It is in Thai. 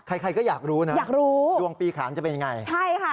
ใครใครก็อยากรู้นะอยากรู้ดวงปีขานจะเป็นยังไงใช่ค่ะ